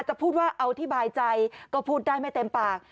จะพูดว่าเอาอธิบายใจก็พูดได้ไม่เต็มปาก